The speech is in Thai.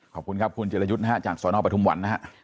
ขอบคุณครับคุณจิรายุทธ์๕จากสอนอปทุมวันนะครับ